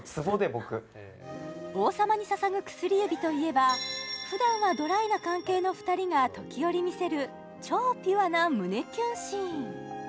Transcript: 僕「王様に捧ぐ薬指」といえば普段はドライな関係の２人が時折見せる超ピュアな胸キュンシーン